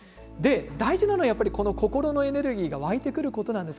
大事なのは心のエネルギーが湧いてくること。